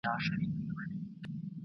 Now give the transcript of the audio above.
قوانین باید د انسانانو د خیر لپاره وي.